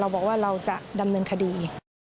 บอกว่าเราจะดำเนินคดี